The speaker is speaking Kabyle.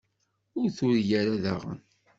Ur turi ara daɣen.